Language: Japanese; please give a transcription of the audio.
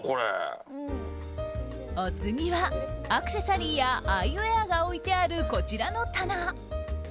お次は、アクセサリーやアイウェアが置いてあるこちらの棚。